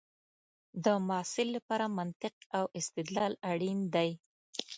د محصل لپاره منطق او استدلال اړین دی.